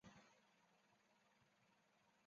于是辽圣宗耶律隆绪将他处死。